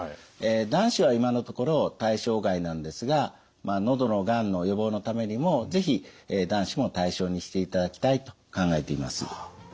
男子は今のところ対象外なんですが喉のがんの予防のためにも是非男子も対象にしていただきたいと考えています。